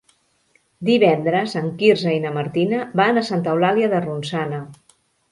Divendres en Quirze i na Martina van a Santa Eulàlia de Ronçana.